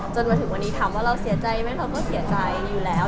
จนถึงวันนี้ถามว่าเราเสียใจไหมเขาก็เสียใจอยู่แล้ว